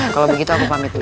kalau begitu aku pamit